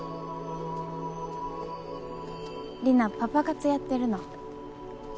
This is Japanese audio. リナパパ活やってるの。